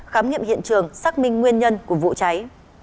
khám nghiệm hiện trường xác minh nguyên nhân của vụ cháy